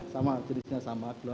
sama jenisnya sama